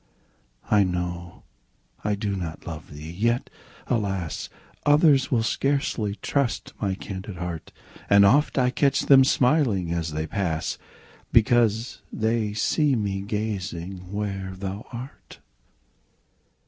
I know I do not love thee! yet, alas! Others will scarcely trust my candid heart; And oft I catch them smiling as they pass, Because they see me gazing where thou art.